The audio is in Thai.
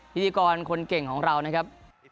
พิธีกรคนเก่งของเรานะครับ